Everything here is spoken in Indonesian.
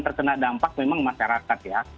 terkena dampak memang masyarakat ya